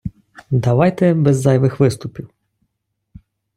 Давайте без зайвих виступів.